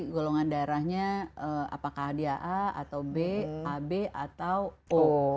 golongan darahnya apakah dia a atau b a b atau o